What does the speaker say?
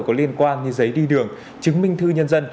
có liên quan như giấy đi đường chứng minh thư nhân dân